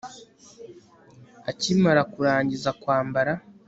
akimara kurangiza kwambara